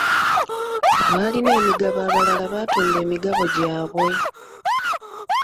Abaalina emigabo abalala baatunda emigabo gyabwe.